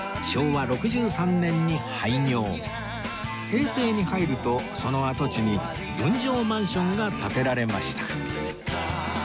平成に入るとその跡地に分譲マンションが建てられました